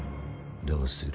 どうする？